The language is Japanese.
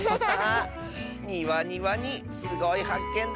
ニワにワニすごいはっけんだ！